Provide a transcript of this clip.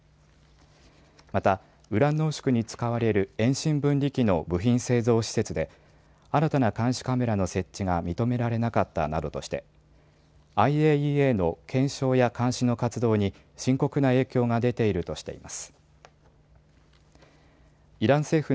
また、ウラン濃縮に使われる遠心分離機の部品製造施設で新たな監視カメラの設置が認められなかったなどとしてＩＡＥＡの検証や監視の活動に深刻な影響が出ているとしています。